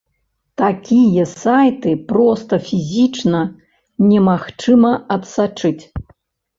Такія сайты проста фізычна немагчыма адсачыць.